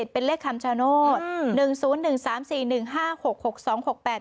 ๖๗๒๔๗เป็นเลขคำสะโน้ด